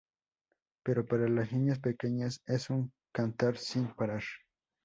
Pero para las niñas pequeñas, es un cantar sin parar.